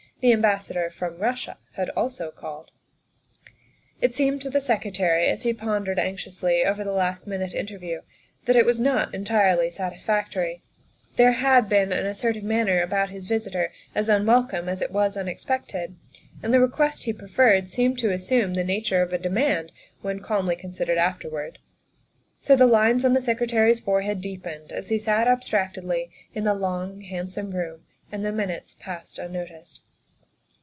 The Am bassador from Russia had also called. It seemed to the Secretary as he pondered anxiously over the last mentioned interview that it was not en tirely satisfactory; there had been an assertive man ner about his visitor as unwelcome as it was unexpected, and the request he preferred seemed to assume the na ture of a demand when calmly considered afterwards. So the lines on the Secretary's forehead deepened as he sat abstractedly in the long, handsome room and the minutes passed unnoticed.